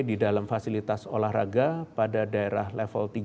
di dalam fasilitas olahraga pada daerah level tiga